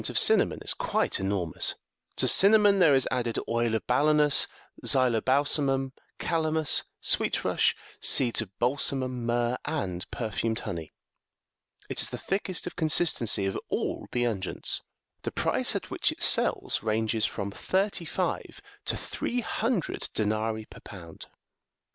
165 cinnamon is quite enormous ; to cinnamon there is added oil of balanus, xylobalsamum, calamus, sweet rush, seeds of balsamum, myrrh, and perfumed honey : it is the thickest in consistency of all the unguents ; the price at which it sells ranges from thirty five to three hundred denarii per pound.